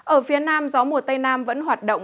ở phía nam gió mùa tây nam vẫn hoạt động